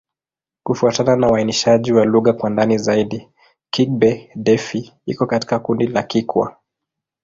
Kufuatana na uainishaji wa lugha kwa ndani zaidi, Kigbe-Defi iko katika kundi la Kikwa.